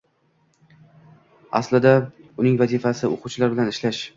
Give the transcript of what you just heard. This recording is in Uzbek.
Aslida, uning vazifasi o‘quvchilar bilan ishlash.